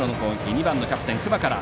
２番のキャプテン、隈から。